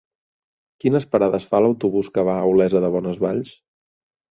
Quines parades fa l'autobús que va a Olesa de Bonesvalls?